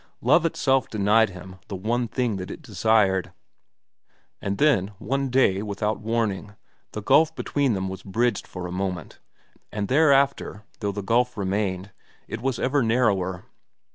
Love itself denied him the one thing that it desired. And then, one day, without warning, the gulf between them was bridged for a moment, and thereafter, though the gulf remained, it was ever narrower.